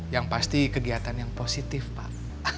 yang pasti kegiatan yang positif pak